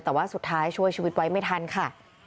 แต่ว่าสุดท้ายช่วยชีวิตไว้ไม่ทันค่ะ